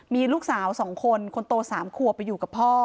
มีลูกสาว๒คนคนโต๓ขวบไปอยู่กับพ่อ